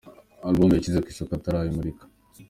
Alubumu yashyizwe ku isoko atarayimurika